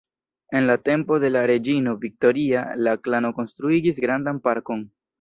En la tempo de la reĝino Viktoria la klano konstruigis grandan parkon.